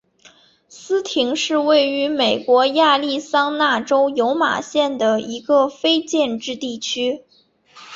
斯廷是位于美国亚利桑那州尤马县的一个非建制地区。